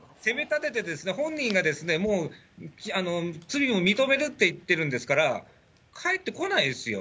責めたてて、もう本人がもう罪も認めるって言ってるんですから、返ってこないですよ。